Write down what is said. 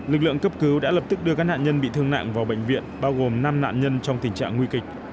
lực lượng cấp cứu đã lập tức đưa các nạn nhân bị thương nặng vào bệnh viện bao gồm năm nạn nhân trong tình trạng nguy kịch